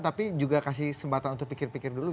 tapi juga kasih kesempatan untuk pikir pikir dulu